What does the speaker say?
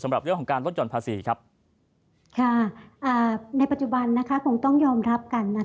สำหรับเรื่องของการลดจ่อนภาษีครับค่ะในปัจจุบันคงต้องยอมรับกัน